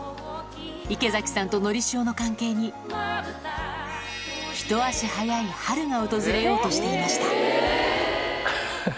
池崎さんとのりしおの関係に、一足早い春が訪れようとしていました。